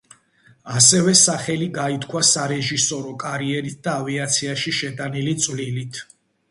ასევე სახელი გაითქვა სარეჟისორო კარიერით და ავიაციაში შეტანილი წვლილით.